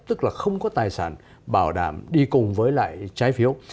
tức là không có tài sản bảo đảm đi cùng với lại trái phiếu